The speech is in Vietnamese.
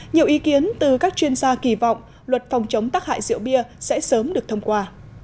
nhiều ý kiến từ các chuyên gia kỳ vọng luật phòng chống tắc hại rượu bia sẽ sớm được thông qua